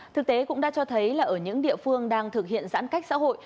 thực tế cũng đã cho thấy là ở những địa phương đang thực hiện giãn cách xã hội